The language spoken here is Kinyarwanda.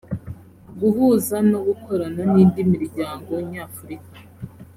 guhuza no gukorana n indi miryango nyafurika